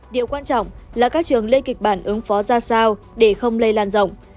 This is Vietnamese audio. điều quan trọng là các trường lên kịch bản ứng phó ra sao để không lây lan rộng